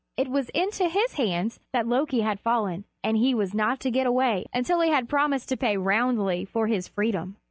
It was into his hands that Loki had fallen, and he was not to get away until he had promised to pay roundly for his freedom.